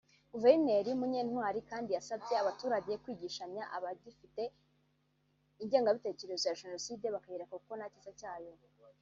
Guverineri Munyantwali kandi yasabye abaturage kwigishanya abagifite ingengabitekerezo ya Jenoside bakayireka kuko nta cyiza cyayo